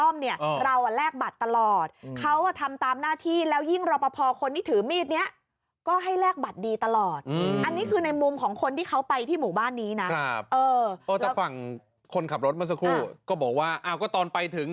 มีคอมเมนว์หนึ่งนะเขาบอกชื่อหมู่บ้านนี้มาเลย